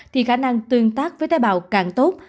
thì khả năng tương tác với tế bào càng tốt